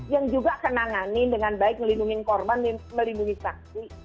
yang juga kenanganin dengan baik melindungi korban melindungi saksi